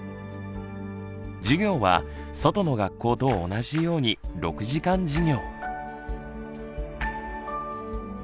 授業は外の学校と同じように６時間授業。